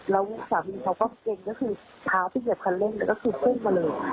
แล้วสามีเขาก็เก่งก็คือเท้าที่เหยียบคันเร่งก็คือพุ่งมาเลย